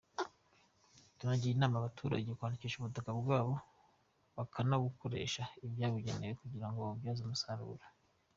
Tunagira inama abaturage kwandikisha ubutaka bwabo bakanabukoresha ibyabugenewe kugira ngo babubyaze umusaruro.